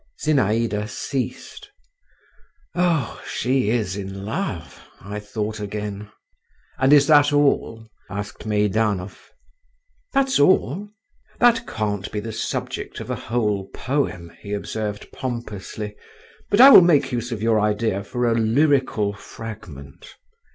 Zinaïda ceased. ("Oh! she is in love!" I thought again.) "And is that all?" asked Meidanov. "That's all." "That can't be the subject of a whole poem," he observed pompously, "but I will make use of your idea for a lyrical fragment."